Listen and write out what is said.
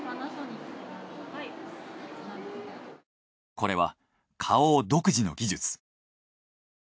これは花王独自の技術。